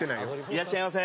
いらっしゃいませ。